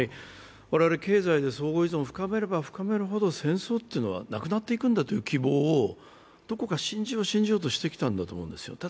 我々、経済で相互依存を深めれば深めるほど戦争はなくなっていくんだという希望をどこか信じよう、信じようとしてきたんだと思うんですよ。